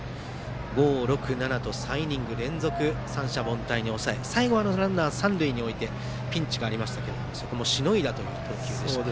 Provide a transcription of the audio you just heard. ５、６、７と３イニング連続三者凡退に抑え最後はランナーを三塁に置くというピンチがありましたがそこもしのぎました。